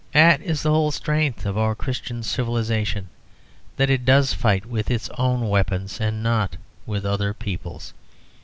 That is the whole strength of our Christian civilisation, that it does fight with its own weapons and not with other people's.